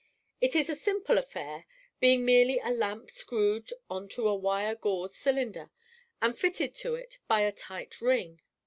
It is a simple affair, being merely a lamp screwed on to a wire gauze cylinder, and fitted to it by a tight ring.